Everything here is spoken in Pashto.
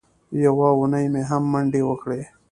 یوه اونۍ مې هم منډې وکړې.